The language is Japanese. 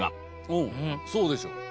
うんそうでしょ。